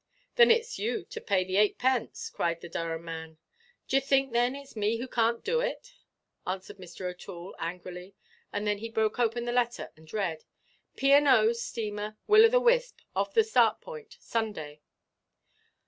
"Then itʼs you to pey the eightpence," cried the Durham man. "Do yer think, then, itʼs me who canʼt do it?" answered Mr. OʼToole, angrily. And then he broke open the letter and read: "P. & O. steamer Will o' the Wisp, off the Start Point.—_Sunday.